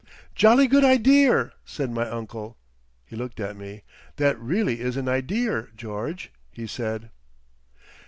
"Jolly good ideer," said my uncle. He looked at me. "That really is an ideer, George," he said.